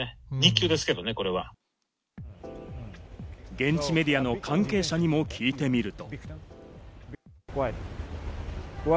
現地メディアの関係者にも聞いてみると。